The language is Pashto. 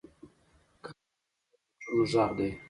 قلم د ښو فکرونو غږ دی